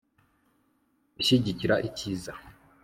gushyigikira icyiza